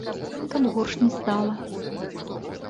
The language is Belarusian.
Каб горш не стала.